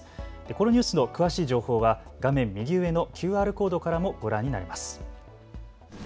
このニュースの詳しい情報は画面右上のＱＲコードからもご覧になれます。